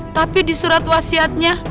tapi di surat wasiatnya